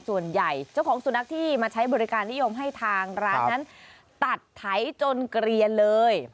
ส่วนใหญ่เจ้าของสุนัขที่มาใช้บริการนิยมให้ทางร้านนั้นตัดไถจนเกลียนเลย